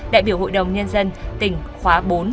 đại biểu hội đồng nhân dân tỉnh khóa bốn